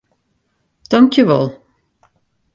Tankjewol.